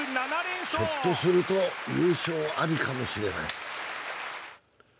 ひょっとすると優勝ありかもしれない。